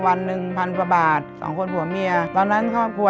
ก็วันนึงพันบาทของสองคนผัวเมียตอนนั้นครอบครัว